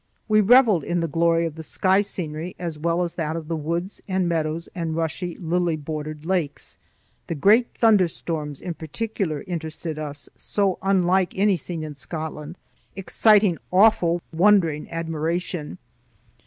We reveled in the glory of the sky scenery as well as that of the woods and meadows and rushy, lily bordered lakes. The great thunderstorms in particular interested us, so unlike any seen in Scotland, exciting awful, wondering admiration.